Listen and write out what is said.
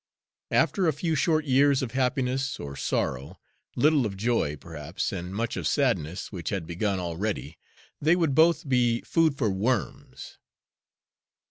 After a few short years of happiness or sorrow, little of joy, perhaps, and much of sadness, which had begun already, they would both be food for worms.